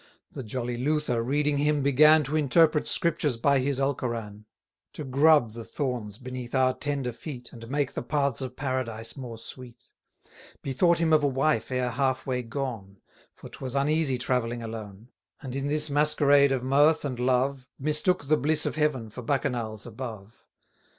The jolly Luther, reading him, began 380 To interpret Scriptures by his Alcoran; To grub the thorns beneath our tender feet, And make the paths of Paradise more sweet; Bethought him of a wife ere half way gone, For 'twas uneasy travelling alone; And, in this masquerade of mirth and love, Mistook the bliss of heaven for Bacchanals above.